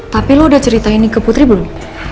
tapi lo udah cerita ini ke putri belum